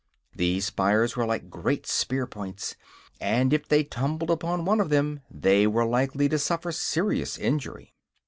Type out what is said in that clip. These spires were like great spear points, and if they tumbled upon one of them they were likely to suffer serious injury.